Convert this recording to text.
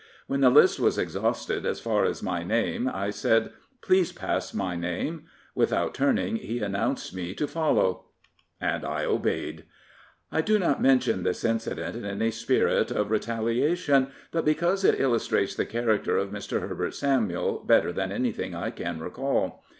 When the list was exhausted as far as my name I said, " Please pass my name." Without turning he announced me to follow. And I obeyed. I do not mention this incident in any spirit of re taliation, but because it illustrates the character of Mr. Herbert Samuel better than anything I can recall.